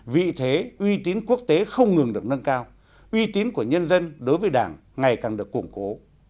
vị thế uy tín quốc tế không ngừng được nâng cao uy tín của nhân dân đối với đảng ngày càng được củng cố